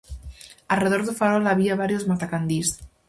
Arredor do farol había varios matacandís.